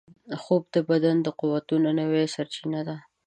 خوب د بدن د قوتونو نوې سرچینه ده